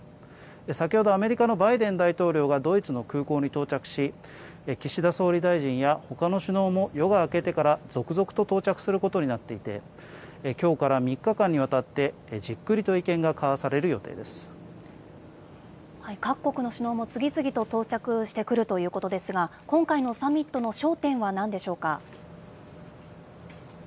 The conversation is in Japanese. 先ほど、アメリカのバイデン大統領がドイツの空港に到着し、岸田総理大臣やほかの首脳も夜が明けてから、続々と到着することになっていて、きょうから３日間にわたってじっくりと意見が交わ各国の首脳も次々と到着してくるということですが、今回のサミットの焦点はなんでしょうか。